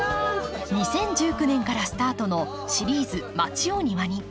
２０１９年からスタートのシリーズ「まちをニワに」。